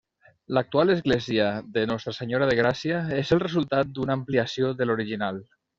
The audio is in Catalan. L'actual església de Nostra Senyora de Gràcia és el resultat d'una ampliació de l'original.